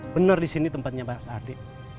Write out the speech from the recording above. bener disini tempatnya mas ardi